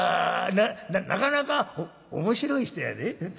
なかなか面白い人やで。